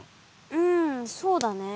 うんそうだね。